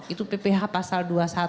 itu pph pasal dua puluh satu